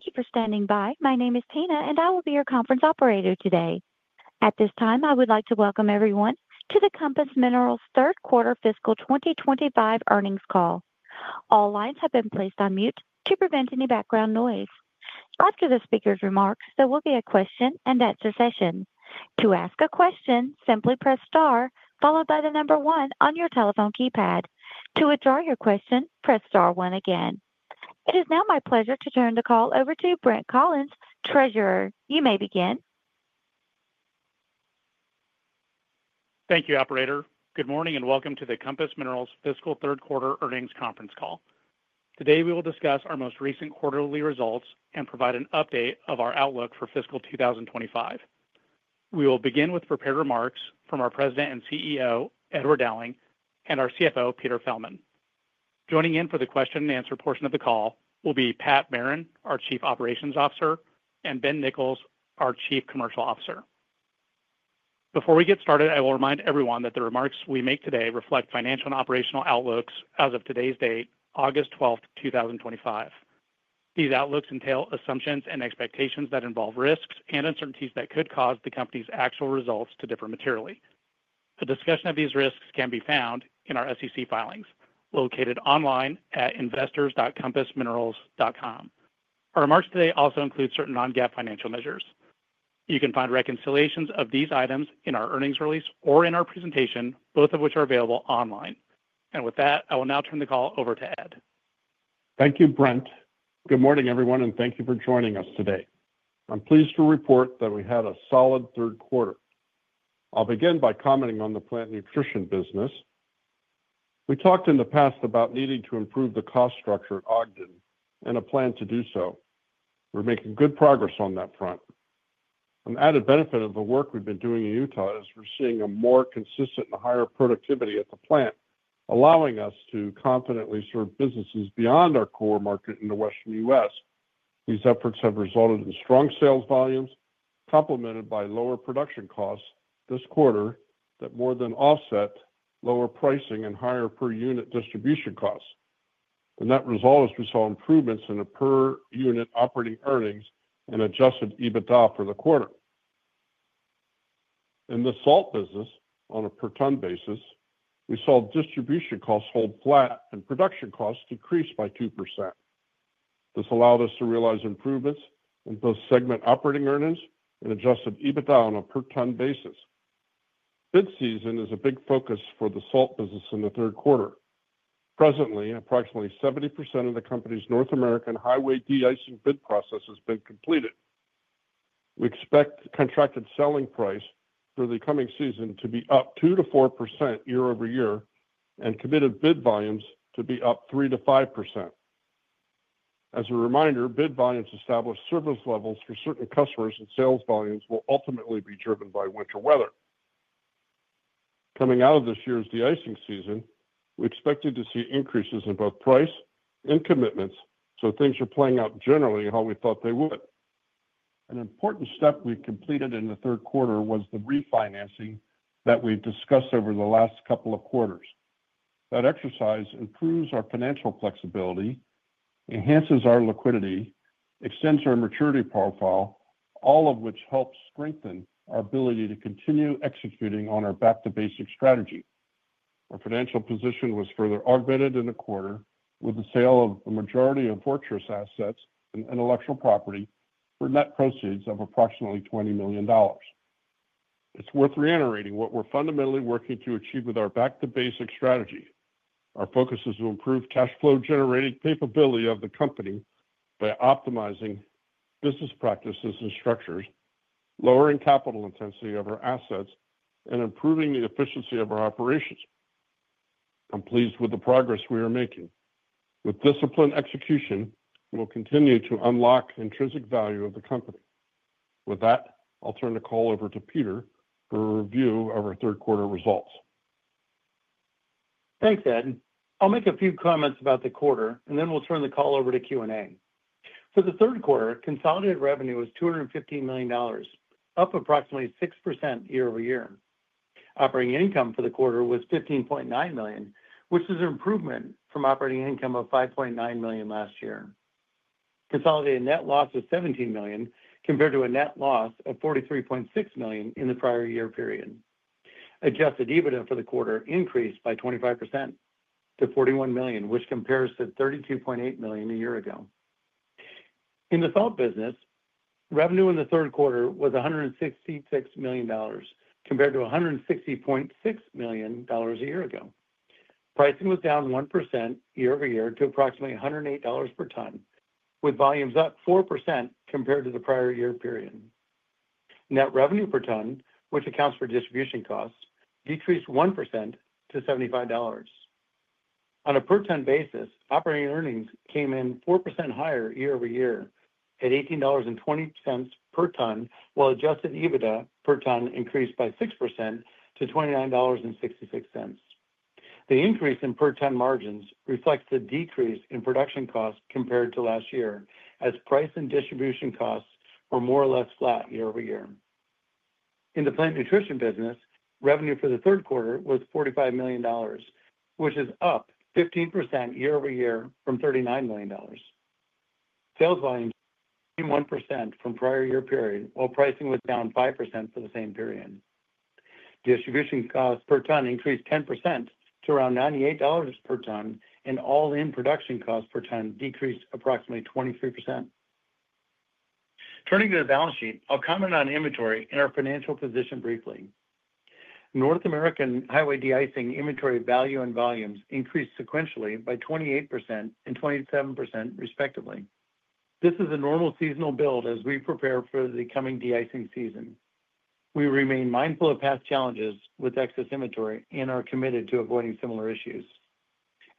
Thank you for standing by. My name is Tina, and I will be your conference operator today. At this time, I would like to welcome everyone to the Compass Minerals' Third Quarter Fiscal 2025 Earnings Call. All lines have been placed on mute to prevent any background noise. After the speaker's remarks, there will be a question-and-answer session. To ask a question, simply press star, followed by the number one on your telephone keypad. To withdraw your question, press star one again. It is now my pleasure to turn the call over to Brent Collins, Treasurer. You may begin. Thank you, operator. Good morning and welcome to the Compass Minerals Fiscal Third Quarter Earnings Conference Call. Today, we will discuss our most recent quarterly results and provide an update of our outlook for fiscal 2025. We will begin with prepared remarks from our President and CEO, Edward Dowling, and our CFO, Peter Fjellman. Joining in for the question and answer portion of the call will be Pat Merrin, our Chief Operations Officer, and Ben Nichols, our Chief Commercial Officer. Before we get started, I will remind everyone that the remarks we make today reflect financial and operational outlooks as of today's date, August 12, 2025. These outlooks entail assumptions and expectations that involve risks and uncertainties that could cause the company's actual results to differ materially. A discussion of these risks can be found in our SEC filings, located online at investors.compassminerals.com. Our remarks today also include certain non-GAAP financial measures. You can find reconciliations of these items in our earnings release or in our presentation, both of which are available online. With that, I will now turn the call over to Ed. Thank you, Brent. Good morning, everyone, and thank you for joining us today. I'm pleased to report that we had a solid third quarter. I'll begin by commenting on the Plant Nutrition business. We talked in the past about needing to improve the cost structure at Ogden and a plan to do so. We're making good progress on that front. An added benefit of the work we've been doing in Utah is we're seeing a more consistent and higher productivity at the plant, allowing us to confidently serve businesses beyond our core market in the Western U.S. These efforts have resulted in strong sales volumes, complemented by lower production costs this quarter that more than offset lower pricing and higher per unit distribution costs. The net result is we saw improvements in the per unit operating earnings and adjusted EBITDA for the quarter. In the Salt business, on a per-ton basis, we saw distribution costs hold flat and production costs decrease by 2%. This allowed us to realize improvements in both segment operating earnings and adjusted EBITDA on a per-ton basis. Bid season is a big focus for the Salt business in the third quarter. Presently, approximately 70% of the company's North America highway deicing bid process has been completed. We expect the contracted selling price through the coming season to be up 2%-4% year-over-year and committed bid volumes to be up 3%-5%. As a reminder, bid volumes establish service levels for certain customers and sales volumes will ultimately be driven by winter weather. Coming out of this year's deicing season, we expected to see increases in both price and commitments, so things are playing out generally how we thought they would. An important step we completed in the third quarter was the refinancing that we've discussed over the last couple of quarters. That exercise improves our financial flexibility, enhances our liquidity, extends our maturity profile, all of which helps strengthen our ability to continue executing on our back-to-basic strategy. Our financial position was further augmented in the quarter with the sale of a majority of fortress assets and intellectual property for net proceeds of approximately $20 million. It's worth reiterating what we're fundamentally working to achieve with our back-to-basic strategy. Our focus is to improve cash flow generating capability of the company by optimizing business practices and structures, lowering capital intensity of our assets, and improving the efficiency of our operations. I'm pleased with the progress we are making. With disciplined execution, we'll continue to unlock intrinsic value of the company. With that, I'll turn the call over to Peter for a review of our third quarter results. Thanks, Ed. I'll make a few comments about the quarter, and then we'll turn the call over to Q&A. For the third quarter, consolidated revenue was $215 million, up approximately 6% year-over-year. Operating income for the quarter was $15.9 million, which is an improvement from operating income of $5.9 million last year. Consolidated net loss was $17 million compared to a net loss of $43.6 million in the prior year period. Adjusted EBITDA for the quarter increased by 25% to $41 million, which compares to $32.8 million a year ago. In the Salt business, revenue in the third quarter was $166 million compared to $160.6 million a year ago. Pricing was down 1% year-over-year to approximately $108 per ton, with volumes up 4% compared to the prior year period. Net revenue per ton, which accounts for distribution costs, decreased 1% to $75. On a per-ton basis, operating earnings came in 4% higher year-over- year at $18.20 per ton, while adjusted EBITDA per ton increased by 6% to $29.66. The increase in per ton margins reflects the decrease in production costs compared to last year, as price and distribution costs are more or less flat year-over-year. In the Plant Nutrition business, revenue for the third quarter was $45 million, which is up 15% year-over-year from $39 million. Sales volumes increased 1% from prior year period, while pricing was down 5% for the same period. Distribution costs per ton increased 10% to around $98 per ton, and all-in production costs per ton decreased approximately 23%. Turning to the balance sheet, I'll comment on inventory and our financial position briefly. North American highway deicing inventory value and volumes increased sequentially by 28% and 27% respectively. This is a normal seasonal build as we prepare for the coming deicing season. We remain mindful of past challenges with excess inventory and are committed to avoiding similar issues.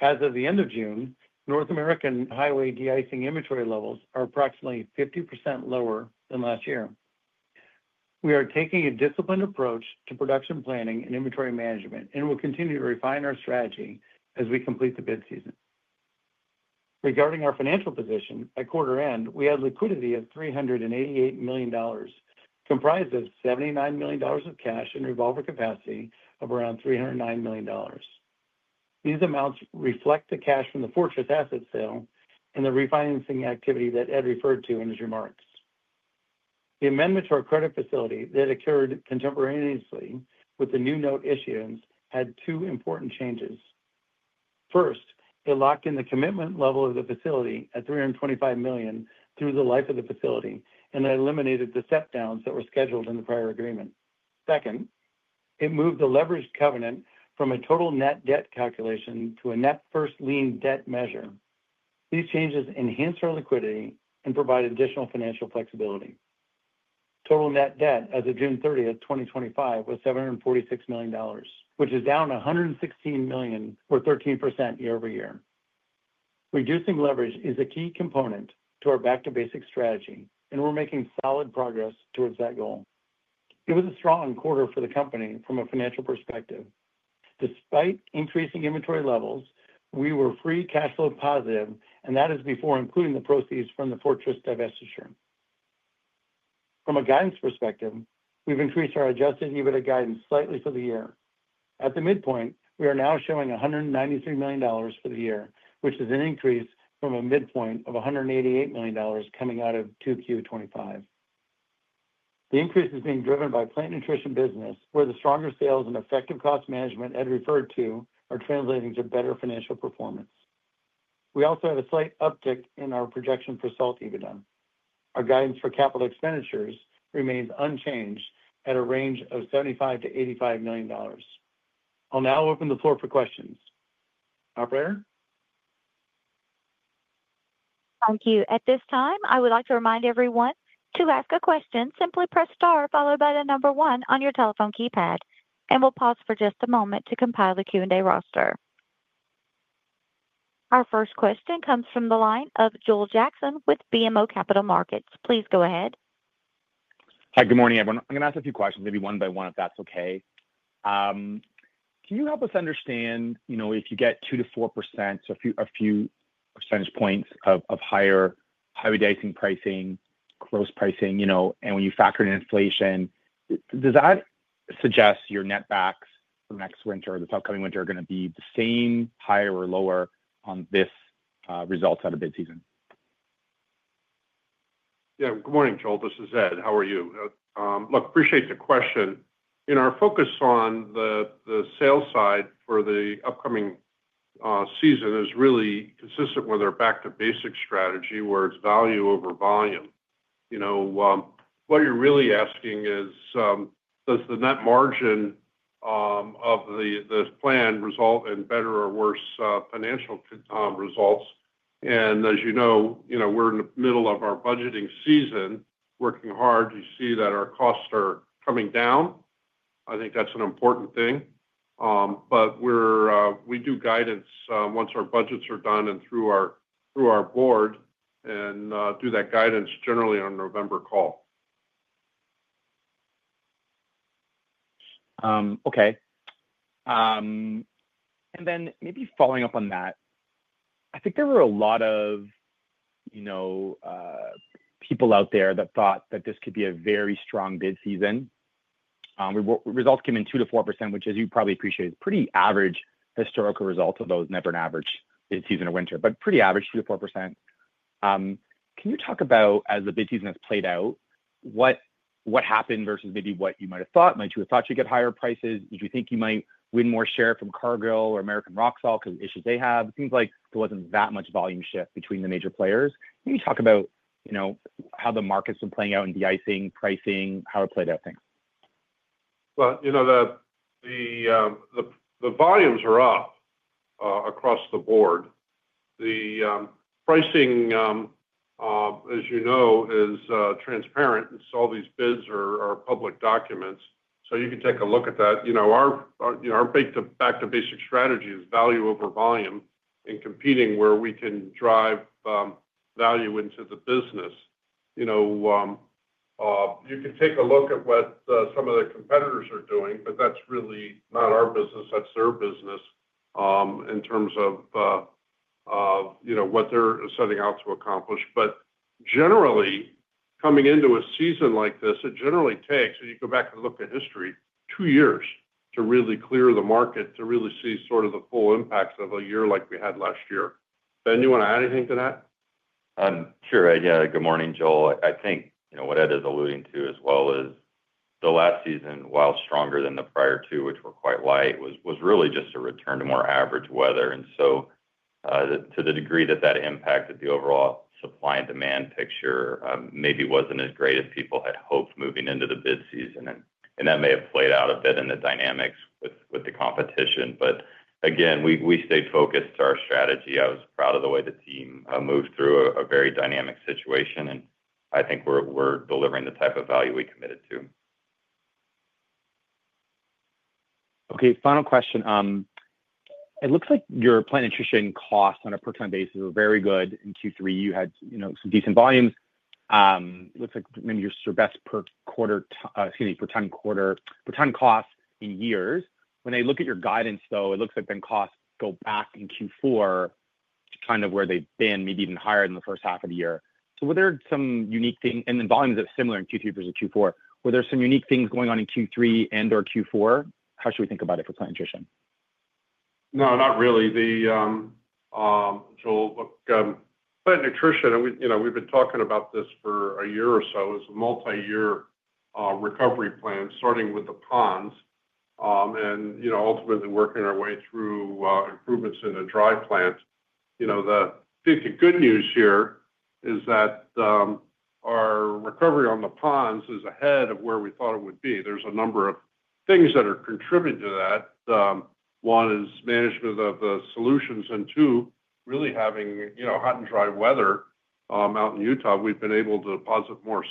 As of the end of June, North American highway deicing inventory levels are approximately 50% lower than last year. We are taking a disciplined approach to production planning and inventory management and will continue to refine our strategy as we complete the bid season. Regarding our financial position, at quarter end, we had liquidity of $388 million, comprised of $79 million of cash and revolver capacity of around $309 million. These amounts reflect the cash from the fortress asset sale and the refinancing activity that Ed referred to in his remarks. The amendment to our credit facility that occurred contemporaneously with the new note issuance had two important changes. First, it locked in the commitment level of the facility at $325 million through the life of the facility, and that eliminated the step-downs that were scheduled in the prior agreement. Second, it moved the leverage covenant from a total net debt calculation to a net first lien debt measure. These changes enhance our liquidity and provide additional financial flexibility. Total net debt as of June 30, 2025, was $746 million, which is down $116 million or 13% year-over-year. Reducing leverage is a key component to our back to basic strategy, and we're making solid progress towards that goal. It was a strong quarter for the company from a financial perspective. Despite increasing inventory levels, we were free-cash-flow positive, and that is before including the proceeds from the fortress assets divestiture. From a guidance perspective, we've increased our adjusted EBITDA guidance slightly for the year. At the midpoint, we are now showing $193 million for the year, which is an increase from a midpoint of $188 million coming out of Q2 of 2025. The increase is being driven by the Plant Nutrition business, where the stronger sales and effective cost management Ed referred to are translating to better financial performance. We also have a slight uptick in our projection for Salt EBITDA. Our guidance for capital expenditures remains unchanged at a range of $75 million-$85 million. I'll now open the floor for questions. Operator? Thank you. At this time, I would like to remind everyone to ask a question, simply press star followed by the number one on your telephone keypad. We'll pause for just a moment to compile the Q&A roster. Our first question comes from the line of Joel Jackson with BMO Capital Markets. Please go ahead. Hi, good morning, everyone. I'm going to ask a few questions, maybe one by one if that's okay. Can you help us understand, you know, if you get 2%-4%, so a few percentage points of higher highway deicing pricing, gross pricing, you know, and when you factor in inflation, does that suggest your net backs for next winter or the upcoming winter are going to be the same, higher, or lower on this result out of bid season? Yeah, good morning, Joel. This is Ed. How are you? I appreciate the question. Our focus on the sales side for the upcoming season is really consistent with our back-to-basic strategy, where it's value over volume. What you're really asking is, does the net margin of the plan result in better or worse financial results? As you know, we're in the middle of our budgeting season, working hard. You see that our costs are coming down. I think that's an important thing. We do guidance once our budgets are done and through our board and do that guidance generally on November call. Okay. Maybe following up on that, I think there were a lot of, you know, people out there that thought that this could be a very strong bid season. Results came in 2%-4%, which, as you probably appreciate, is a pretty average historical result. There is never an average bid season in winter, but pretty average, 2%-4%. Can you talk about, as the bid season has played out, what happened versus maybe what you might have thought? Might you have thought you'd get higher prices? Did you think you might win more share from Cargill or American rock salt because of the issues they have? It seems like there wasn't that much volume shift between the major players. Can you talk about, you know, how the market's been playing out in deicing, pricing, how it played out there? The volumes are up across the board. The pricing, as you know, is transparent. All these bids are public documents, so you can take a look at that. Our big back to basic strategy is value over volume and competing where we can drive value into the business. You can take a look at what some of the competitors are doing, but that's really not our business. That's their business in terms of what they're setting out to accomplish. Generally, coming into a season like this, it generally takes, when you go back and look at history, two years to really clear the market to really see sort of the full impacts of a year like we had last year. Ben, you want to add anything to that? Sure, Ed. Yeah, good morning, Joel. I think what Ed is alluding to as well is the last season, while stronger than the prior two, which were quite light, was really just a return to more average weather. To the degree that that impacted the overall supply and demand picture, maybe wasn't as great as people had hoped moving into the bid season. That may have played out a bit in the dynamics with the competition. We stayed focused to our strategy. I was proud of the way the team moved through a very dynamic situation. I think we're delivering the type of value we committed to. Okay, final question. It looks like your Plant Nutrition costs on a per ton basis were very good in Q3. You had some decent volumes. It looks like maybe your best per ton quarter, per ton costs in years. When I look at your guidance, though, it looks like then costs go back in Q4 to kind of where they've been, maybe even higher than the first half of the year. Were there some unique things, and then volumes that are similar in Q3 versus Q4? Were there some unique things going on in Q3 and/or Q4? How should we think about it for Plant Nutrition? No, not really. Plant Nutrition, and you know, we've been talking about this for a year or so, is a multi-year recovery plan, starting with the ponds and, you know, ultimately working our way through improvements in the dry plant. The good news here is that our recovery on the ponds is ahead of where we thought it would be. There's a number of things that are contributing to that. One is management of the solutions, and two, really having, you know, hot and dry weather out in Utah, we've been able to deposit more.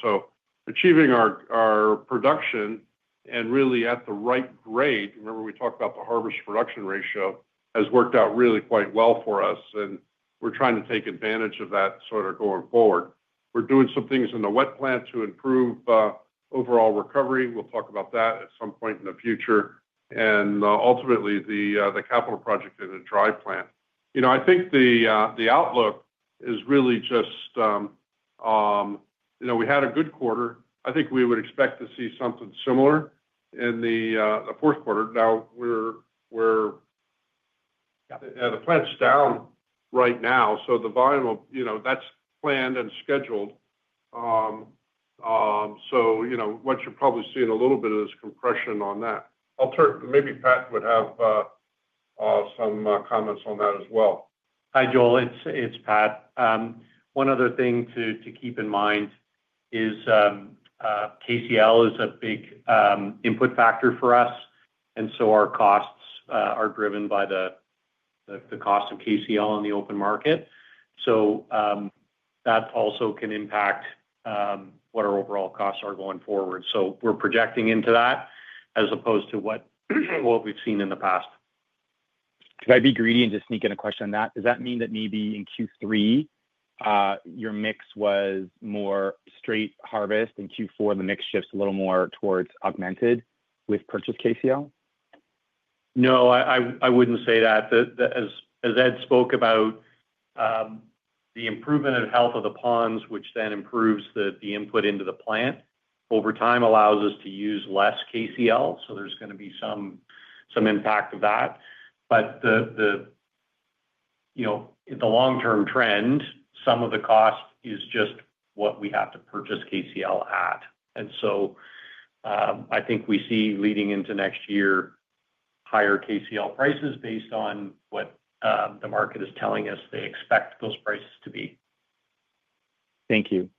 Achieving our production and really at the right rate, remember we talked about the harvest production ratio, has worked out really quite well for us. We're trying to take advantage of that going forward. We're doing some things in the wet plant to improve overall recovery. We'll talk about that at some point in the future. Ultimately, the capital project in the dry plant. I think the outlook is really just, you know, we had a good quarter. I think we would expect to see something similar in the fourth quarter. Now, the plant's down right now. The volume of, you know, that's planned and scheduled. What you're probably seeing a little bit is compression on that. I'll turn, maybe Pat would have some comments on that as well. Hi, Joel. It's Pat. One other thing to keep in mind is KCl is a big input factor for us, and our costs are driven by the cost of KCl on the open market. That also can impact what our overall costs are going forward. We're projecting into that as opposed to what we've seen in the past. Could I be greedy and just sneak in a question on that? Does that mean that maybe in Q3, your mix was more straight harvest and Q4 the mix shifts a little more towards augmented with purchased KCl? No, I wouldn't say that. As Ed spoke about, the improvement in health of the ponds, which then improves the input into the plant over time, allows us to use less KCl. There is going to be some impact of that. The long-term trend, some of the cost is just what we have to purchase KCl at. I think we see leading into next year, higher KCl prices based on what the market is telling us they expect those prices to be. Thank you.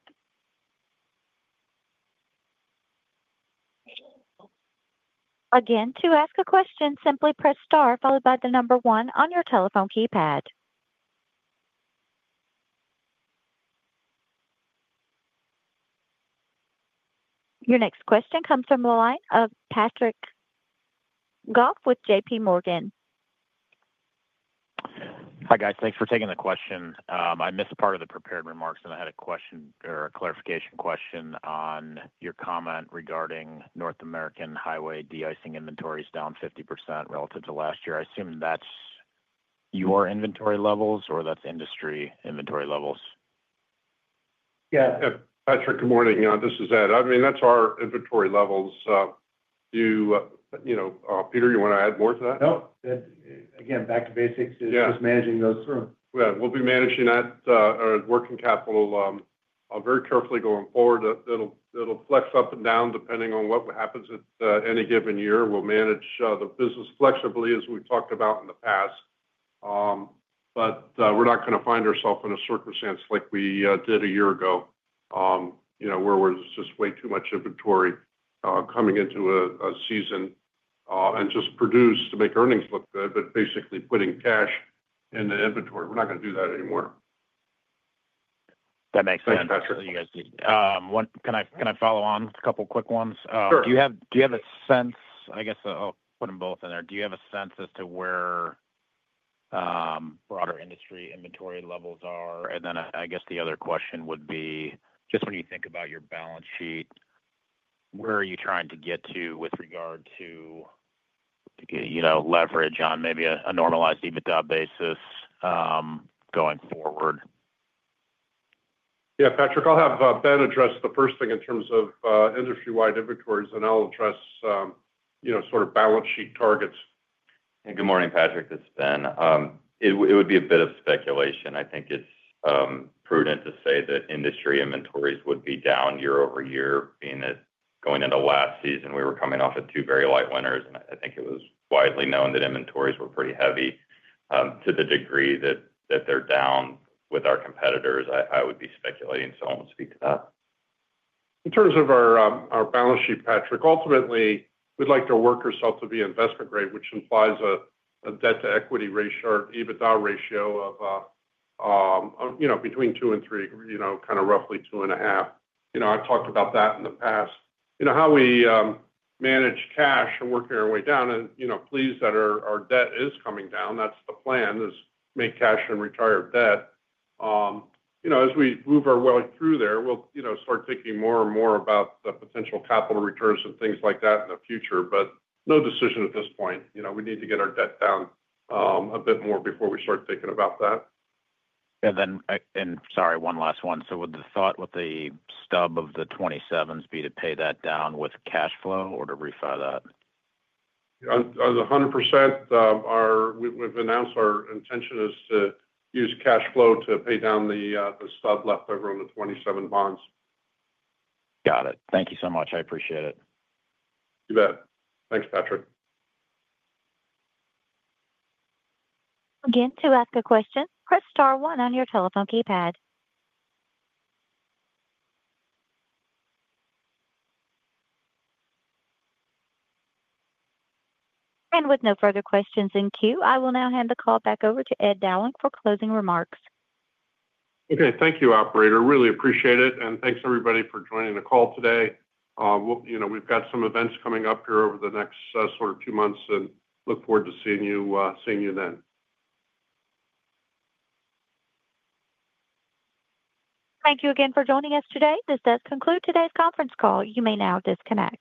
Again, to ask a question, simply press star followed by the number one on your telephone keypad. Your next question comes from the line of Patrick Goff with JPMorgan. Hi guys, thanks for taking the question. I missed part of the prepared remarks, and I had a question or a clarification question on your comment regarding North America highway deicing inventories down 50% relative to last year. I assume that's your inventory levels, or that's industry inventory levels? Yeah, Pat, good morning. This is Ed. I mean, that's our inventory levels. Peter, you want to add more to that? No, again, back to basics. It's just managing those through. Yeah, we will be managing that, our working capital, very carefully going forward. It will flex up and down depending on what happens at any given year. We will manage the business flexibly as we have talked about in the past. We are not going to find ourselves in a circumstance like we did a year ago, you know, where we are just way too much inventory coming into a season and just produce to make earnings look good, but basically putting cash in the inventory. We are not going to do that anymore. That makes sense. You guys did. Can I follow on a couple of quick ones? Sure. Do you have a sense, and I guess I'll put them both in there, do you have a sense as to where broader industry inventory levels are? I guess the other question would be, just when you think about your balance sheet, where are you trying to get to with regard to, you know, leverage on maybe a normalized EBITDA basis going forward? Yeah, Patrick, I'll have Ben address the first thing in terms of industry-wide inventories, and I'll address, you know, sort of balance sheet targets. Good morning, Patrick. It's Ben. It would be a bit of speculation. I think it's prudent to say that industry inventories would be down year-over-year, being that going into last season, we were coming off of two very light winters, and I think it was widely known that inventories were pretty heavy. To the degree that they're down with our competitors, I would be speculating, so I won't speak to that. In terms of our balance sheet, Patrick, ultimately, we'd like to work ourselves to the investment-grade, which implies a debt-to-equity ratio or EBITDA ratio of, you know, between 2 and 3, you know, kind of roughly 2.5. You know, I've talked about that in the past. You know, how we manage cash and working our way down, and you know, pleased that our debt is coming down. That's the plan, is make cash and retire debt. You know, as we move our way through there, we'll, you know, start thinking more and more about the potential capital returns and things like that in the future, but no decision at this point. You know, we need to get our debt down a bit more before we start thinking about that. Sorry, one last one. Would the thought with the stub of the 2027 be to pay that down with cash flow or to refile that? Yeah, I was 100%. We've announced our intention is to use cash flow to pay down the stub leftover on the 2027 bonds. Got it. Thank you so much. I appreciate it. You bet. Thanks, Patrick. Again, to ask a question, press star one on your telephone keypad. With no further questions in queue, I will now hand the call back over to Ed Dowling for closing remarks. Okay, thank you, Operator. Really appreciate it. Thanks everybody for joining the call today. We've got some events coming up here over the next sort of two months and look forward to seeing you then. Thank you again for joining us today. This does conclude today's conference call. You may now disconnect.